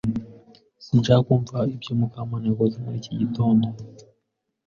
Sinshaka kumva ibyo Mukamana yakoze muri iki gitondo.